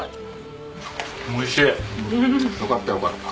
よかったよかった。